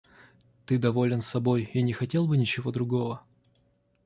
Ты доволен собой и не хотел бы ничего другого?